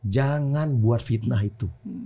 jangan buat fitnah itu